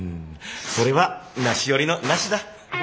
それはなし寄りのなしだ。